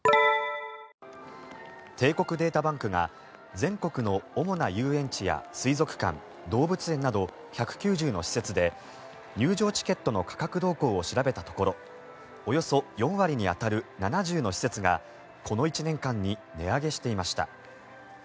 帝国データバンクが全国の主な遊園地や水族館、動物園など１９０の施設で入場チケットの価格動向を調べたところおよそ４割に当たる７０の施設がこの１年間に値上げしていました。